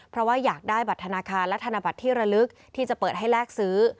เพราะว่าอยากได้บัตรธนาคารและธนบัตรที่ระลึกที่จะเปิดให้แลกซื้อ